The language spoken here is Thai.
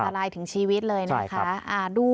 อันตรายถึงชีวิตเลยนะครับ